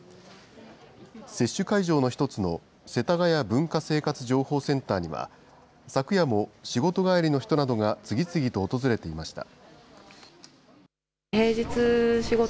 接種会場の一つの世田谷文化生活情報センターには、昨夜も仕事帰りの人などが次々と訪れていました。